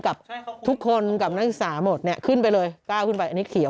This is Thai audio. กับทุกคนกับทุกสามกหมดเนี้ยขึ้นไปเลยก้าวขึ้นไปอันนี้ขี่